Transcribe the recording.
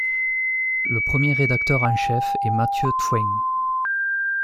Le premier rédacteur en chef est Matthieu Thfoin.